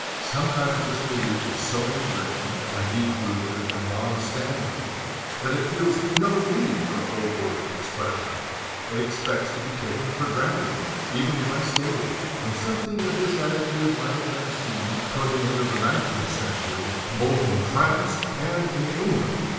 Sometimes this belief is so ingrained and md long standing that it feels no need for overt expression; it expects to be t for granted even if unstated; and something of this attitude might have : n toward the end of the nineteenth century both in Frunre and in England.